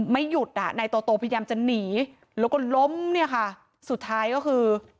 ไม่หยุดอ่ะนายโตโตพยายามจะหนีแล้วก็ล้มเนี่ยค่ะสุดท้ายก็คือ